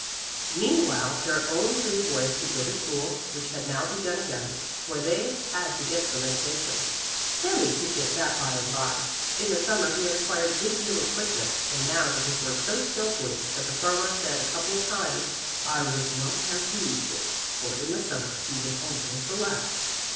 Meanwhile their own three boys could go to school, which had now begun again, for they had to get some education. Sami could get that by and by. In the Summer he had acquired a good deal of quickness and now did his work so skilfully that the farmer said a couple of times: "I would not have believed it, for in the Summer he was always the last."